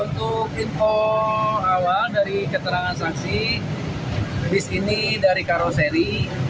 untuk info awal dari keterangan saksi bis ini dari karoseri